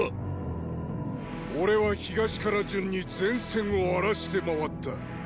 俺は東から順に前線を荒らして回った。